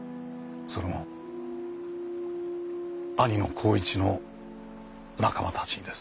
それも兄の孝一の仲間たちにです。